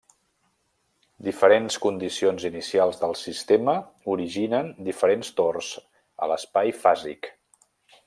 Diferents condicions inicials del sistema originen diferents tors a l'espai fàsic.